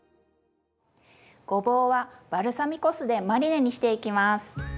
ごぼうはバルサミコ酢でマリネにしていきます。